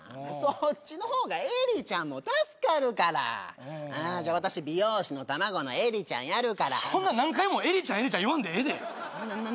そっちの方がえりちゃんも助かるからじゃあ私美容師の卵のえりちゃんやるからそんな何回も「えりちゃんえりちゃん」言わんでええで何？